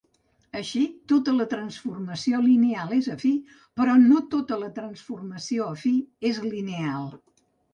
Així, tota transformació lineal és afí, però no tota transformació afí és lineal.